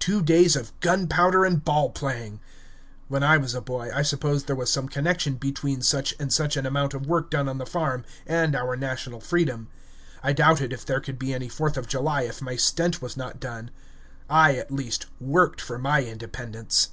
Two days of gunpowder and ball playing! When I was a boy, I supposed there was some connection between such and such an amount of work done on the farm and our national freedom. I doubted if there could be any Fourth of July if my stent was not done. I, at least, worked for my Independence.